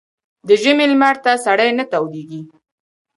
ـ د ژمي لمر ته سړى نه تودېږي.